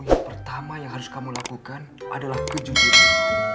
yang pertama yang harus kamu lakukan adalah kejujuran